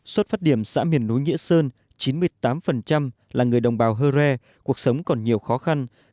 xuất phát điểm xã miền núi nghĩa sơn chín mươi tám là người đồng bào hơ re cuộc sống còn nhiều khó khăn